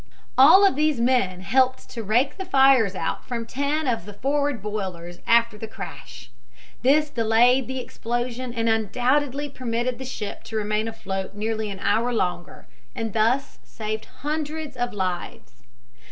All of these men helped rake the fires out from ten of the forward boilers after the crash. This delayed the explosion and undoubtedly permitted the ship to remain afloat nearly an hour longer, and thus saved hundreds of lives."